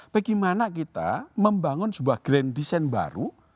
bagaimana kita membangun sebuah grandisen baru